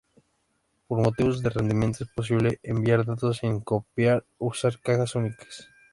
Por motivos de rendimiento, es posible enviar datos sin copiar, usar cajas únicas.